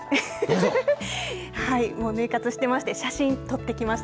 はい、ぬい活してまして写真撮ってきました。